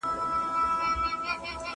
زه کولای سم اوبه پاک کړم،